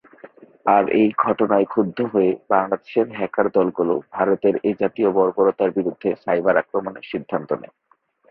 আর এই ঘটনায় ক্ষুব্ধ হয়ে বাংলাদেশের হ্যাকার দলগুলো ভারতের এজাতীয় বর্বরতার বিরুদ্ধে সাইবার-আক্রমণের সিদ্ধান্ত নেয়।